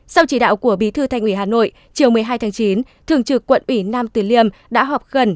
sau chỉ đạo của bí thư thanh ủy hà nội chiều một mươi hai chín thường trực quận ủy nam tuyên liêm đã họp gần